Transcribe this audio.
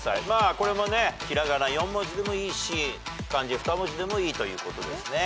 これも平仮名４文字でもいいし漢字二文字でもいいということですね。